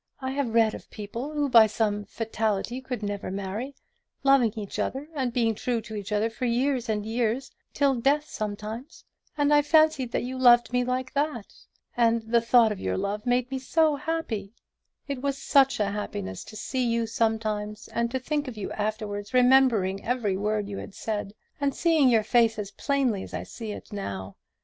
I have read of people, who by some fatality could never marry, loving each other, and being true to others for years and years till death sometimes; and I fancied that you loved me like that: and the thought of your love made me so happy; and it was such happiness to see you sometimes, and to think of you afterwards, remembering every word you had said, and seeing your face as plainly as I see it now.